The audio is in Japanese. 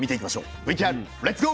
ＶＴＲレッツゴー！